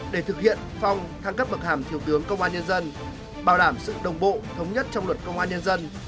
để thực hiện phong thăng cấp bậc hàm thiếu tướng công an nhân dân bảo đảm sự đồng bộ thống nhất trong luật công an nhân dân